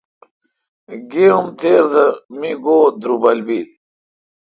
گے ام تھیر دہ میگو درُبل بیل۔